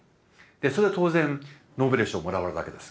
それで当然ノーベル賞もらうわけです